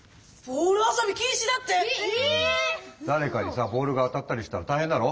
だれかにさボールが当たったりしたらたいへんだろ。